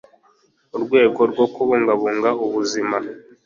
urwego rwo kubungabunga ubuzima